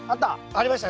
ありましたね。